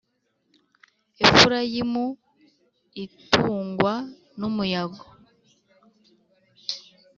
Efurayimu itungwa n’umuyaga,